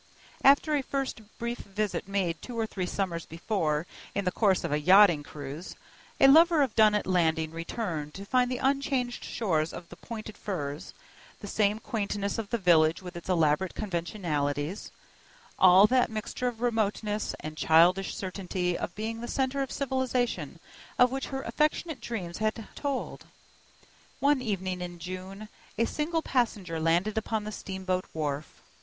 After a first brief visit made two or three summers before in the course of a yachting cruise, a lover of Dunnet Landing returned to find the unchanged shores of the pointed firs, the same quaintness of the village with its elaborate conventionalities; all that mixture of remoteness, and childish certainty of being the centre of civilization of which her affectionate dreams had told. One evening in June, a single passenger landed upon the steamboat wharf.